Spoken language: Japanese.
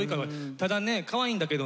ただねかわいいんだけどね